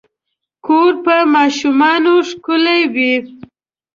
کور په ماشومانو ښکلے وي